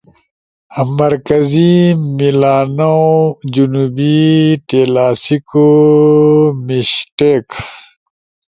مرکزی میلانؤ، جنوبی ٹیلاسیکو میشٹیک